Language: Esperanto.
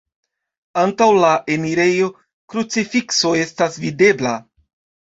Antaŭ la enirejo krucifikso estas videbla.